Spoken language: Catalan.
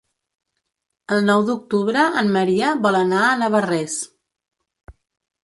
El nou d'octubre en Maria vol anar a Navarrés.